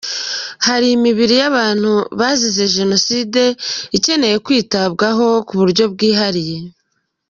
Hari imibiri y’abantu bazize Jenoside ikeneye kwitabwaho mu buryo bwihariye.